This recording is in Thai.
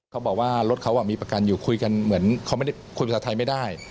เขาบอกว่ารถเขามีประกันอยู่คุยกันเหมือนเขาไม่ได้คุยภาษาไทยไม่ได้